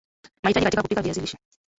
mahitaji katika kupika viazi lishe